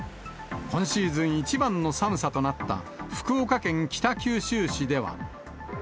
今シーズン一番の寒さとなった福岡県北九州市では。